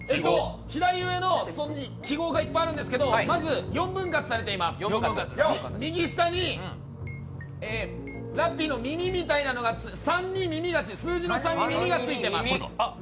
記号がいっぱいあるんですけど、まず４分割されています、右下にラッピーの耳みたいなのが数字の３に耳がついています。